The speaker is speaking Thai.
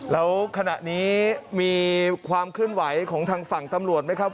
แล้วขณะนี้มีความเคลื่อนไหวของทางฝั่งตำรวจไหมครับ